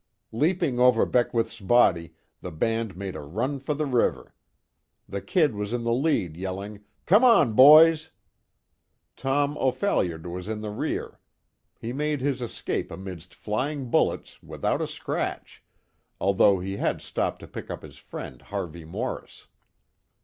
Leaping over Beckwith's body, the band made a run for the river. The "Kid" was in the lead yelling: "Come on, boys!" Tom O'Phalliard was in the rear. He made his escape amidst flying bullets, without a scratch, although he had stopped to pick up his friend Harvey Morris.